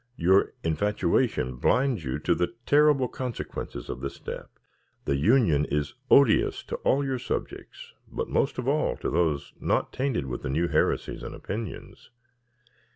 Your infatuation blinds you to the terrible consequences of the step. The union is odious to all your subjects, but most of all to those not tainted with the new heresies and opinions.